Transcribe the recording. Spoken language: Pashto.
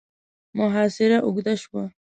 محاصره اوږده شوه.